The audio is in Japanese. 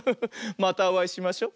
またおあいしましょ。